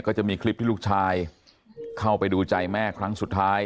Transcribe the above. ก็จะมีคลิปที่ลูกชายเข้าไปดูใจแม่ครั้งสุดท้าย